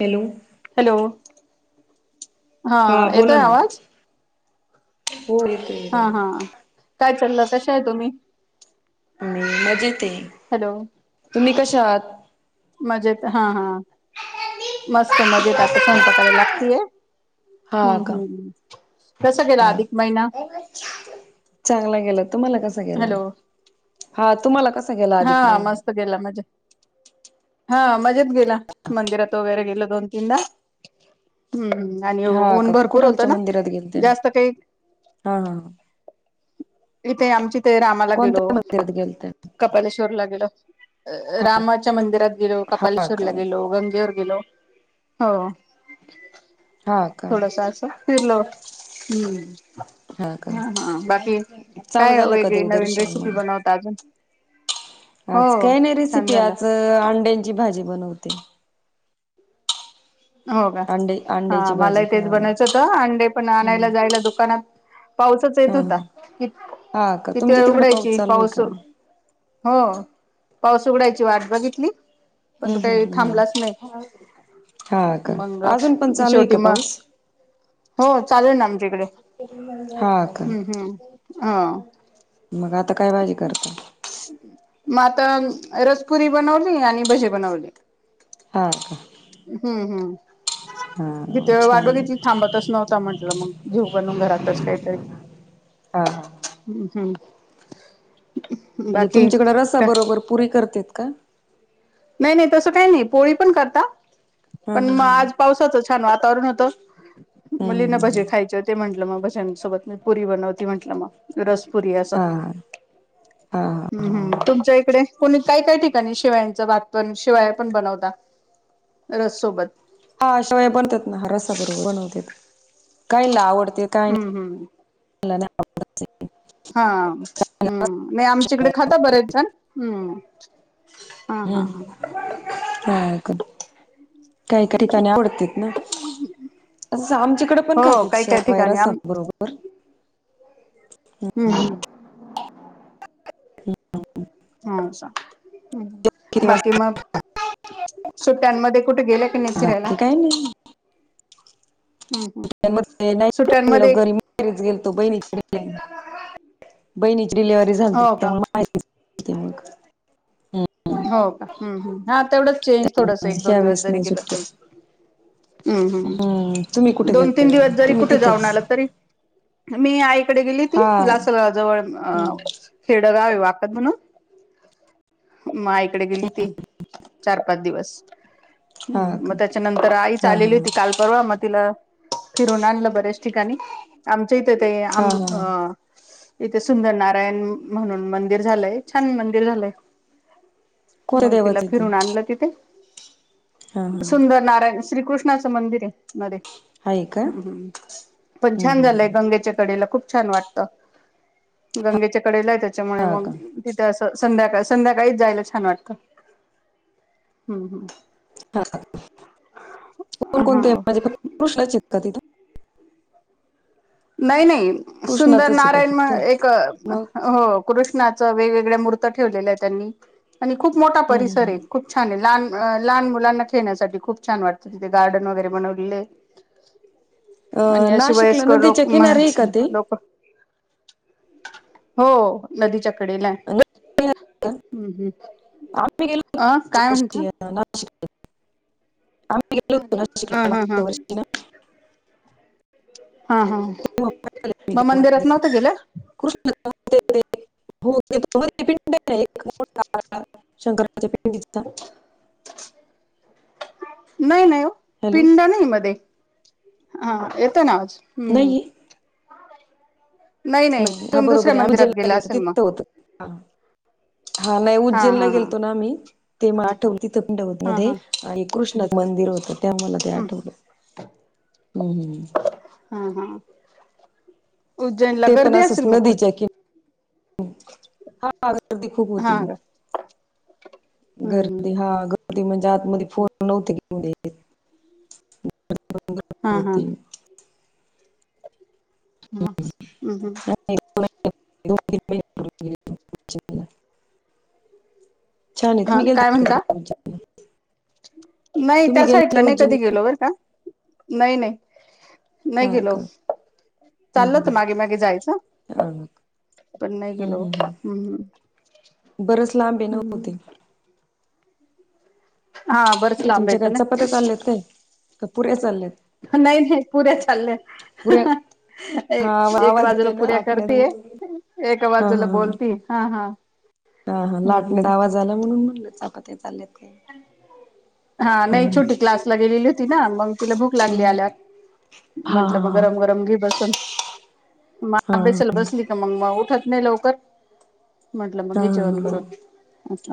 Hello hello हा येतोय बोला ना आवाज हो येतोय हा येतोय. हा काय चाललं कशा आहे तुम्ही मी मजेत आहे हॅलो तुम्ही कश्या आहात मजेते हा हा मस्त मज येत आता स्वयंपाकाला लागतीय हा हम्म का हम्म कस गेला हा अधिक महिना चांगला गेला तुम्हाला कसा गेला हॅलो हा तुम्हाला कसा गेला हा अधिक महिना मस्त गेला मजा हा म गेला मंदिरात वगैरे गेल दोन तीनदा हम्म आणि हा ऊन का भरपूर होत कुठालच्या ना मंदिरात गेलते जास्त काही हा हा हा. इथे आमच्या ते रामाला गेलो कोणत्या मंदिरात गेलते कपालेश्वरला गेलो हा रामाच्या मंदिरात गेलो हा का कपालेश्वरला गेलो गंगेवर गेलो हो हा का थोडासा असं फिरलो हम्म हा हा बाकी चांगल काय झालं का वेगळी नवीन देवदर्शन रेसिपी मग बनवता अजून हो आज काय नाही छान रेसिपी झालं आज अंड्यांची भाजी बनवते हो का अंडे हा अंड्याची भाजी मलाही तेच हा बनायचं होत अंडे पण हम्म आणायला जायला दुकानात पावसाच येत हा होता हा क हा का किती तुमच्या वेळ तिकडे उघडायची चालू आहे पाऊस का हो पाऊस उघडायची वाट बघितली पण हम्म तो काही हम्म हम्म थांबलाच नाही हा का मग अजून पण चालू आहे शेवटी का मग पाऊस हो चालेल ना आमच्याकडे हा का हम्म हम्म अ मग आता काय भाजी करता मग आता रसपुरी बनवली आणि भजे बनवले हा का हम्म हम्म हा किती वेळ व वाट छान बघितली मग थांबतच नव्हता म्हंटलं मग म्हणाल घेऊ बनून घरातच काहीतरी हा हा हम्म हम्म म्हणजे बाकी तुमच्याकडे रसा का बरोबर पुरी करतेत का नाही नाही तसं काही नाही पोळी पण करता पण हा मग हा आज पावसाचं छान वातावरण होत. हम्म मुलीना भजे हम्म खायचे होते, म्हटलं मग भज्यांसोबत मी पुरी बनवती म्हटलं मग रस. पुरी्् हा हा हा हा तुमच्या इकडे. कोणी काही काय ठिकाणी शिवायांचं भातपण शिवाया पण बनवता रससोबत. हा शेवाय बनतात ना रसा बरोबर बनवत काहीला आवडत. हम्म हम्म. मला नाही आव हा हम्म नाही आमच्या इकडे खाता बरंच हम्म. हा हा हम् हा हम काही का ठिकाणी आवडते ना. असं आमच्याकडें पण हो खात काही काही शवाय ठिकाणी रासा आम बरोबर. हम्म हम. हम हम हा सां किती बाकी वाजता मग सुट्ट्यांमध्ये कुठे गेले. बाकी काही नई. हम्म हम्म [unintelligible] गेलो सुट्ट्यांमध्ये घरी [unintelligible] बहिणी [unintelligible] बहिणीची डिलिव्हरी झालीती हो का त्यामु [unintelligible] मग हम्म हो का? हम्म हू हा तेवढंच चेंज थोडस एक दोन दिवस यावेळेस जरी नाही गेलं सुट्टी तरी हम्म तुम्ही हम्म कुठे दोन गेलते तीन दिवस जरी तुम्ही कुठ जाऊन तिथंच आलं तरी मी आईकडे गेलीती हा लासरा जवळ अ हम्म खेडगाव वाकत म्हणून म आईकड गेलीती चार पाच दिवस [unintelligible] हा मग का त्याच्यानंतर आईच हा हा आलेली होती, काल परवा म तिला फिरून आणलं बऱ्याच ठिकाणी, आमच्या इथ ते हा हा आम अ हा इथे सुंदर नारायण म्हणून मंदिर झालंय, छान मंदिर झालंय. कोणत्या मंग तिला देवाचे ते फिरून आणलं तिथे हा हा सुंदर नारायण श्रीकृष्णाचं मंदिर ये णरे आहे का हम्म हम् पण हम्म छान हम्म झालंय, हम्म गंगेच्या कडेला खूप छान वाटत. गंगेच्या कडेलाय त्याच्यामुळे हा मग का तिथे अस संध्याकाळ संध्याका [unintelligible] जायला छान वाटत, हम्म हू हा हम्म कोणकणते हा म्हणजे पुरुषला च [unintelligible] का तिथं? नाई नाई सुंदर कृष्णाचच आहे का नारायण म फक्त एक मग हो कृष्णाच वेगवेगळ्या मूर् त ठेवलल आहे त्यांनी आणि खूप मोठा हम्म हम्म परिसर हम्म ये, खूप छान ये लहान अ लहान मुलांना खेळण्यासाठी खूप छान वाटत तिथे गार्डन वगैरे बनवलेले अ आणि अशी नाशिकला वयस्कर लोक नदीच्या म किनारी आहे का ते लोक हो नदीच्याक कडेला हम्म हू, आम्ही गेलो अ काय म्हणता? होतो नाशिक आम्ही गेलो होतो ना ह [unintelligible] हा हा मागच्या वर्षी ना हा हा तेव्हा पाहिलं मी म ते मंदिर. मंदिरात नव्हते गेले? कृष्ण ते हो [unintelligible] पिंड ये ना एक मोठा शंकरा [unintelligible] पिंडीचा नाई नई ओ हॅलो पिंड नाही मध्ये, हा येत ना आवाज हम्म नाही नाही हा तुम्ही बरोबर दुसऱ्या ये, आम्ही मंदिरात [unintelligible] गेला गेलतो, असेल मग तिथं होत हा हा नाही उज्जैनला हा हा गेलतो ना आम्ही ते म आठव तिथं पंडवत हा मध्ये हा एक कृष्णाच मंदिर हो [unintelligible] ते हम्म आठवल हम्म हम् हा हा उज्जैनला ते पण गर्दी असंच असेल मग खूप नदीच्या की हा गर्दी खूप हा होती, का हम्म गर्दी हम्म हा गर म्हणजे आत मध्ये फोन नव्हतेे [unintelligible] [unintelligible] हा हा हा होती. [unintelligible] उ हू नाही [unintelligible] छान ये तुम्ही गेलता का कधी? [unintelligible] नाई त्या साईडला नाही कधी उज्जैनला गेलो बर का, नाही नाही. नाही हा गेलो, का? हम्म चालल होत हम्म. मागे मागे जायचं. हा. पण नाही गेलो हम्म हम् बरच लांब ये ना ओ ते हा बरंच लांब तुमच्या येत काय ना चपात्या चालल्यात काय, का पुऱ्या चालल्यात? नाही नाही पुऱ्या चालल्या पुऱ्या ए हा एक आवाज बाजूला येतोय ना पुऱ्या लाटण्याचा करतीये, म्हणून एका हा बाजूला हा हा. बोलतीये हा हा हा हा हम्म हम्म लाटण्याट्यात आवाज आला म्हणून म्हणलं चपात्या चालल्या [unintelligible] हा नाही छोटी क्लासला गेलेली होती ना, मंग तिला भुक लागली हम्म. आल्यावर हा म्हंटलं हा मग हा. गरम गरम घे बसून, म हा हा. अभ्यासाला बसली का मंग उ खात नाही लवकर म्हटलं मग हा घे जेवण हा हा. करून अस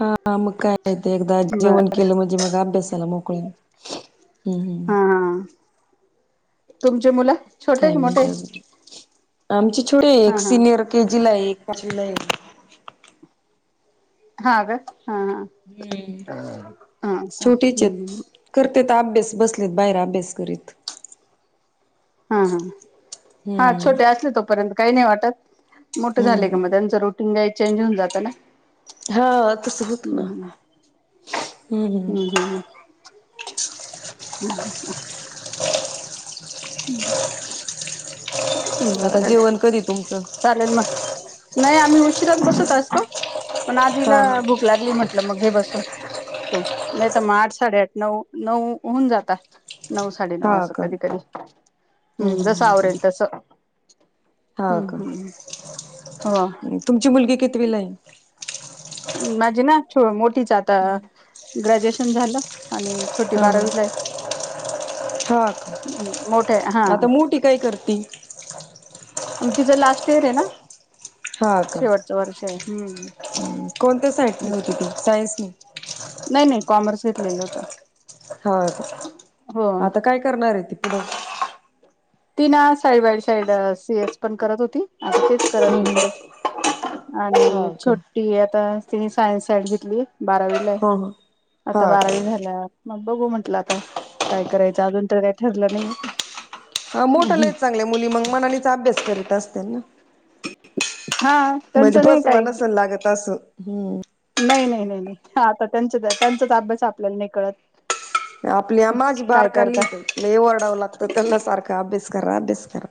हा मग काय ते एकदा जेवण बर केलं म्हणजे मग अभ्यासाला मोकळे. हम्म हम्म. हा हा तुमचे मुलं छोटे आहे का मोठे? आमची छोटी आहे एक हा हा सिनियर के जी ला एक हा का हा हा हम्म हम् ते तर अभ्यास बसलेत बाहेर अभ्यास करीत. हा हा हा हम्म छोटे असे तोपर्यंत काही नाही वाटत. मोठं झालंय का हम्म मग त्यांच रुटीन काय चेंज होऊन जातं ना. हा तस होत ना हम् हम्म हम्म हम् आता बरं जेवण कधी तुमचं चालेल मग. नाही आम्ही उशिराच बसत असतो. पण आज हा हिला हा भूक लागली म्हटलं मग घे बसून. नाही तर मग आठ साडेआठ नऊ नऊ होऊन जातात. नऊ साडेनऊ अस हा असं का कधी कधी हम्म जसं आवरेल तस. हा का हो तुमची मुलगी कितविला आहे? माझी ना मोठीच आता ग्रॅज्युएशन झालं. आणि छोटी हा बारावीला आहे. हा मोठे हा आता मोठी काय करती. मग तिचं लास्ट इयर आहे ना... हा का शेवटचं वर्ष आहे. हम्म. कोणत्या साईटने होती ती सायन्स ने नाही नाही कॉमर्स घेतलेलं होत. हा आता काय करणार आहे ती पुढे? ती ना side by side C S पण करत होती आता तेच करेल हम्म ती हम्म. पुढे. आणि हा का छोटी आता तिने सायन्स साईड घेतली. बारावीला आहे. हो हो हा आता बारावी का झाल्या. बघू म्हटलं आता काय करायचं अजून तर काय ठरलं नाही. हा मोठ्या चांगल्या मुली मग मनानेच अभ्यास करीत असते ना. हा म्हणजे त्यांचं नाही बसवाव काही नसलं लागत असं हम्म नाही नाही नाही नाही आता त्यांच त्याच त्यांचाच अभ्यास आपल्याला नाही कळत. आपल्या माझी काय बारका करता लिहतंय लई ओरडाव लागतं त्याला सारखं. का अभ्यास कर अभ्यास कर.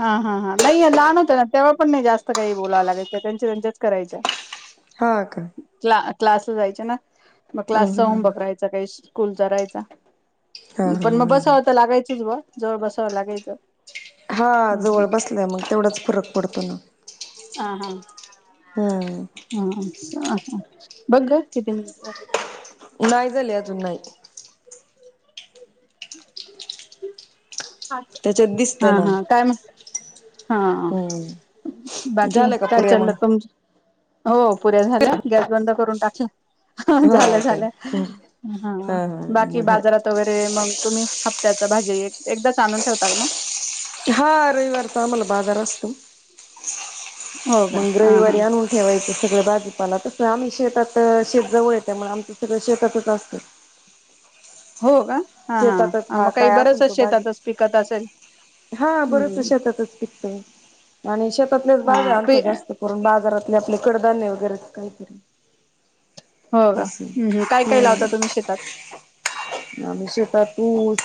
हा हा हा नाही या लहान होतं ना तेव्हा पण नाही जास्त काही बोलाव लागायचं त्यांचे त्यांच्याच करायच्या. हा का. क्ला क्लासला जायचे ना मग हम्म क्लासचा हम्म होमवर्क राहायचा काही स्कूलचा राहायचा. हा पण मग बसाव तर लागायचच. बा जवळ बसावं लागायचं. हा जवळ बसल्याने मग तेवढाच फरक पडतो. ह हा हम्म हम्म बघग किती म- नाही झाले अजून नाही हो. त्याच्यात दिसत हा ना हा काय म्हता हा? हम्म बाकी झालं का काय पुऱ्या मग चाललं तुमच हो पुऱ्या झाल्या गॅस बंद करून टाकला. ह हा झालं काय झालं हम्म हा बाकी बाजारात वगैरे मग तुम्ही. त्याच भाजी एकदाच आणून ठेवता का मग? हा रविवारचा आम्हाला बाजार असतो? हो का मग हा हा रविवारी आणून ठेवायच. सगळ भाजीपाला तस आम्ही शेतात शेतजवळ येत त्यामुळे आमचं सगळं शेतातच असतं. हो का हा शेतातच हा मग काही काय असेल तो बरचच भाजी शेतातच पिकत असेल? हा बरेच हम्म शेतातच पिकतोय आणि शेतातलेच हा भाज्या आणतो जास्त करून बाजारात. म्हजे आपले कडधान्य वगैरेच काहीतरी- हो का हम् काय काय हम्म लावता तुम्ही शेतात? [inaudible] तूर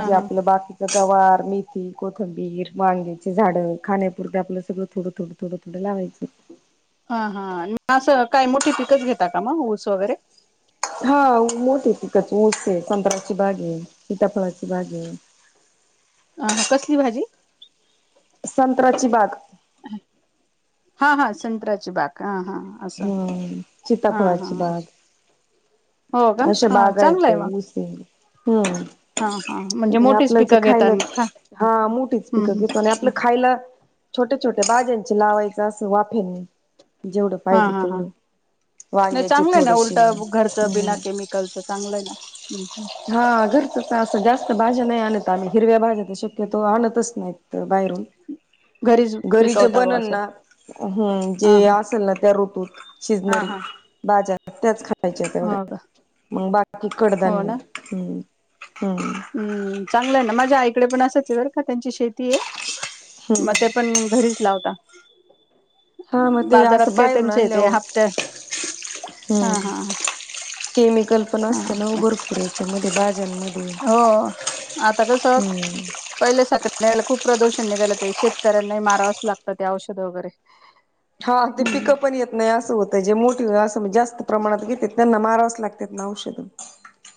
हा हा आपलं बाकीच गवार मेथी. कोथंबीर वांग्याचे झाड खाण्यापुरत आपलं सगळं थोडं थोडं थोडं थोडं लावायचं. हा हा असं काय मोठी पिकच घेता का म ऊस वगैरे हा मोठीे तिकडच ऊस संत्राची बाग आहे सिताफळाची बाग आहे. अ कसली भाजी? संत्राची बाग हा हा संत्राची बाग हा हा असं हम्म हा हा. सीताफळाची बाग हो का अशा हा बागा चांगलं आहेत आहे म. ऊस आहे हम्म. आणि मोठीच आपलं जे पिकं घेता खायला खा हा मोठीच हम् पिकं हम घेतो आणि आपलं खायला छोटे- छोट्या भाज्यांचे लावायच अस वाफेनी- जेवढं हा पाहिजे हा हा तेवढं वांग्याची थोडीशी हम्म. केमिकल च चांगलं का? हा घरचच असं जास्त भाज्या नाही आणत आम्ही हिरव्या भाज्या तर शक्यतो आणतच नाहीत बाहेरून- घरी घरी जे बनन ना ह जे हा हा असेल ना त्या ऋतूत हा शिजनारी हा बाजारात त्याच खायच्या हो तेवढ्या का मग बाकी हो कडधान्य- ना हम्म हम्म हम्म चांगलं आहे ना माझ्या आईकडे पण असाच आहे बरं का त्यांची शेती आहे हम्म मग ते पण घरीच लावता- हा मग ते बाजारात असं काही बाहेरून त्यांचे आणल्या ते हो हप्ते हा हम्म हा केमिकल पण हा असतना भरपुरायच म- हो आता कस हम्म पहिले सका खूप प्रदूषण घा शेतकऱ्यांना माराच लागत ते औषध वगैरे- हा ते हम्म पिकं पण येत नाही असं होतं जे मोठी असं जास्त प्रमाणात घेत त्यांना मारावच लागतं लागात ना औषध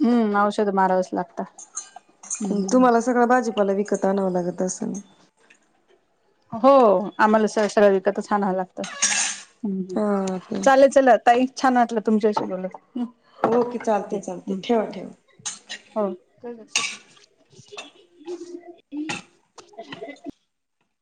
हम्म औषध मारावच लागता. तुम्हाला सगळं भाजीपाला विकत आणावं लागत असं ना हो आम्हाला सगळं सगळं विकतच आणावं लागतं. हमी हा ते चालेल चल ताई छान वाटलं तुमच्याशी बोलुन. ह ओके चालते ते चालते ठेवा ठेवा हो [inaudible]